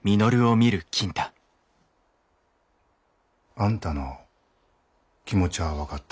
あんたの気持ちゃあ分かった。